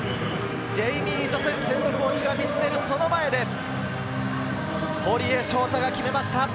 ジェイミー・ジョセフＨＣが見つめる前で、堀江翔太が決めました！